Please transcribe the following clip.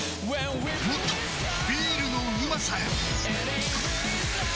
もっとビールのうまさへ！